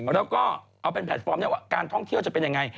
แล้วก็เอาเป็นแพลตฟอร์มนี้ว่าการท่องเที่ยวจะเป็นยังไง